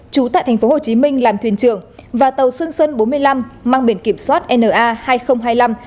chú tại tp hcm làm thuyền trưởng và tàu xuân xuân bốn mươi năm mang biển kiểm soát na hai nghìn hai mươi